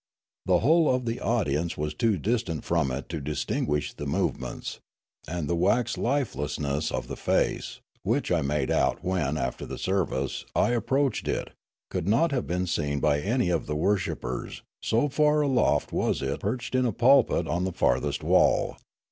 The whole of the audience was too distant from it to distinguish the movements ; and the wax lifelessness of the face, which I made out when, after the service, I approached it, could not have been seen by any of the worshippers, so far aloft was it perched in a pulpit on the farthest wall.